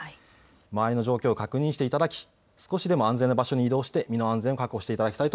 周りの状況を確認していただき少しでも安全な場所に移動して身の安全を確保していただきたい